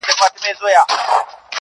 o کور مي ورانېدی ورته کتله مي.